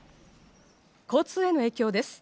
交通への影響です。